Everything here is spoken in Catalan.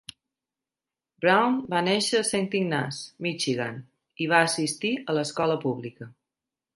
Brown na néixer a Saint Ignace, Michigan i va assistir a l'escola pública.